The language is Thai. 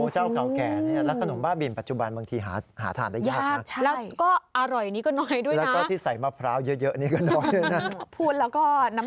เจ้าเก่าแก่เนี่ยแล้วขนมบ้าบินปัจจุบันบางทีหาทานได้ยากนะ